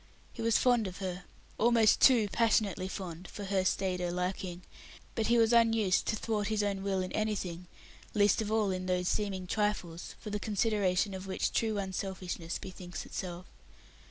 He was fond of her almost too passionately fond, for her staider liking but he was unused to thwart his own will in anything, least of all in those seeming trifles, for the consideration of which true selfishness bethinks itself.